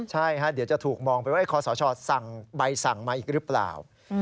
ใช่เดี๋ยวจะถูกมองไปว่าคอสชสั่งใบสั่งมาอีกหรือเปล่า